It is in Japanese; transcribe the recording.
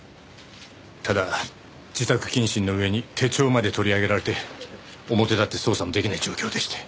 ただ自宅謹慎のうえに手帳まで取り上げられて表立って捜査も出来ない状況でして。